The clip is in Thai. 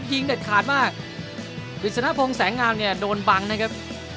เหลือพิงเด็ดขาดมากวิศนพงษ์แสงงามเนี่ยโดนบังนะครับ